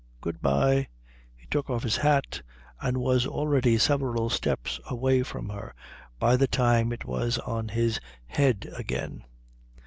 Good bye." He took off his hat and was already several steps away from her by the time it was on his head again.